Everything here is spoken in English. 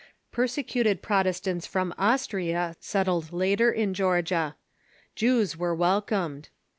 Persecuted Prot estants from Austria settled later in Georgia. Jews were wel comed.